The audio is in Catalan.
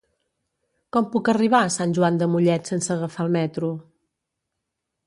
Com puc arribar a Sant Joan de Mollet sense agafar el metro?